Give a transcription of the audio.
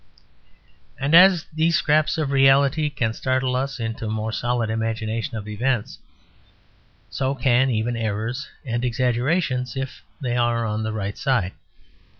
And as these scraps of reality can startle us into more solid imagination of events, so can even errors and exaggerations if they are on the right side.